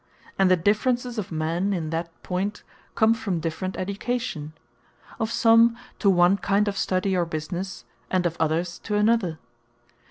And the differences of men in that point come from different education, of some to one kind of study, or businesse, and of others to another.